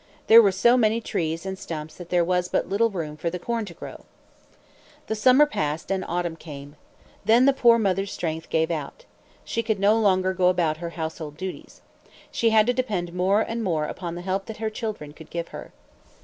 There were so many trees and stumps that there was but little room for the corn to grow. The summer passed, and autumn came. Then the poor mother's strength gave out. She could no longer go about her household duties. She had to depend more and more upon the help that her children could give her.